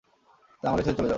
তাই আমাকে ছেড়ে চলে যাও।